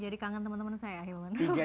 jadi kangen teman teman saya ya